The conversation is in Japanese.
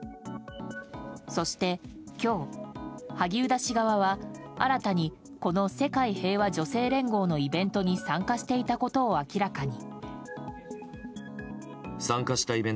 そして、今日萩生田氏側は新たにこの世界平和女性連合のイベントに参加していたことを明らかに。